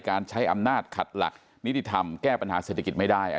การใช้อำนาจขัดหลักนิติธรรมแก้ปัญหาเศรษฐกิจไม่ได้